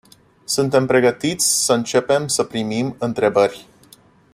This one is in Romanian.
Suntem pregătiți să începem să primim întrebări.